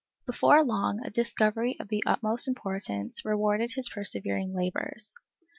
Before long a discovery of the utmost importance rewarded his persevering labours.